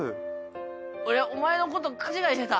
俺はお前のこと勘違いしてた。